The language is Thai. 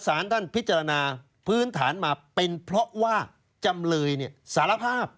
สารท่านพิจารณาพื้นฐานมาเป็นเพราะว่าจำเลยสารภาพ